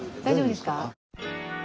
大丈夫ですか？